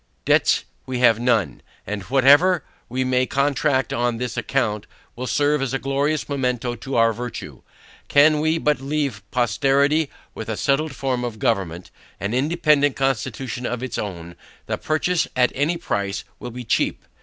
Debts we have none; and whatever we may contract on this account will serve as a glorious memento of our virtue. Can we but leave posterity with a settled form of government, an independant constitution of it's own, the purchase at any price will be cheap.